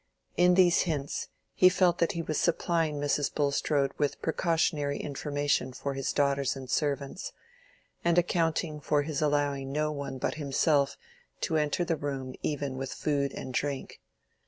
In these hints he felt that he was supplying Mrs. Bulstrode with precautionary information for his daughters and servants, and accounting for his allowing no one but himself to enter the room even with food and drink.